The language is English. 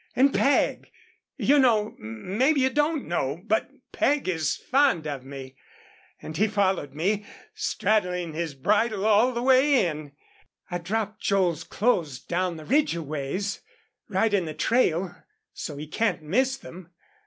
And Peg, you know maybe you don't know but Peg is fond of me, and he followed me, straddling his bridle all the way in. I dropped Joel's clothes down the ridge a ways, right in the trail, so he can't miss them.